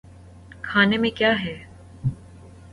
کھانے میں کیا ہے۔